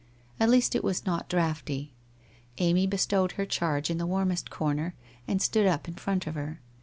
At least it was not draughty. Amy bestowed her charge in the warmest corner and stood up in front of her.